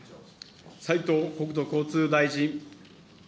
斉藤国土交通大臣。